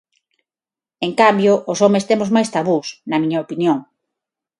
En cambio, os homes temos máis tabús, na miña opinión.